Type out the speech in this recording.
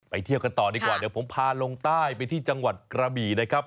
เที่ยวกันต่อดีกว่าเดี๋ยวผมพาลงใต้ไปที่จังหวัดกระบี่นะครับ